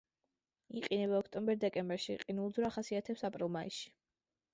იყინება ოქტომბერ-დეკემბერში, ყინულძვრა ახასიათებს აპრილ-მაისში.